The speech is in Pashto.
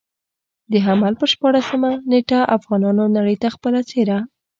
د حمل پر شپاړلسمه نېټه افغانانو نړۍ ته خپله څېره.